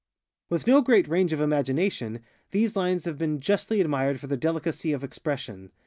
With no great range of imagination, these lines have been justly admired for their delicacy of expression.